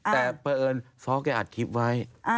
แต่เผอียนซ้อกใกล้อัดคลิปไว้